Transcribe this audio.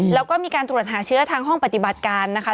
แล้วก็มีการตรวจหาเชื้อทางห้องปฏิบัติการนะคะ